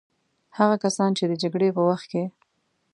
هغه کسان چې د جګړې په وخت کې.